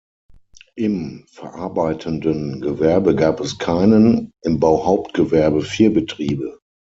Im verarbeitenden Gewerbe gab es keinen, im Bauhauptgewerbe vier Betriebe.